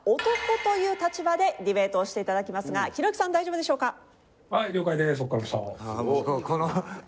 男という立場でディベートをして頂きますがひろゆきさん大丈夫でしょうか？